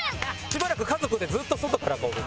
しばらく家族でずーっと外からこう。